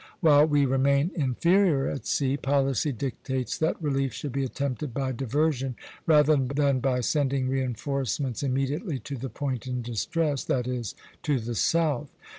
While we remain inferior at sea ... policy dictates that relief should be attempted by diversion rather than by sending reinforcements immediately to the point in distress," that is, to the South.